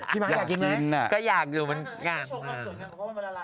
พี่มั๊กอยากกินไหมก็อยากดูมันง่ายมาก